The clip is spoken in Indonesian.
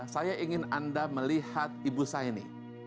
saya ingin anda melihat ibu saya ini